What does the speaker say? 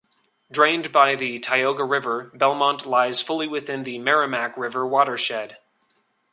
Drained by the Tioga River, Belmont lies fully within the Merrimack River watershed.